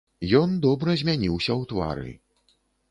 Ён добра змяніўся ў твары.